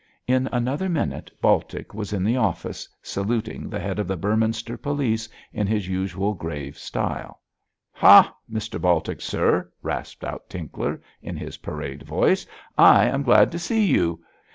In another minute Baltic was in the office, saluting the head of the Beorminster police in his usual grave style. 'Ha, Mr Baltic, sir!' rasped out Tinkler, in his parade voice, 'I am glad to see you.